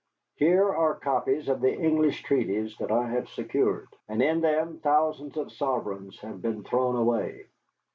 Here are copies of the English treaties that I have secured, and in them thousands of sovereigns have been thrown away.